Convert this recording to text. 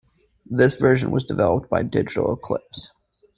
This version was developed by Digital Eclipse.